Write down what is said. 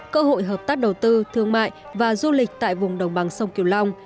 cơ hội hợp tác đầu tư thương mại và du lịch tại vùng đồng bằng sông kiều long